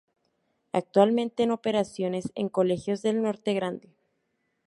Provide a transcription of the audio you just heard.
Actualmente en operaciones, en colegios del Norte Grande.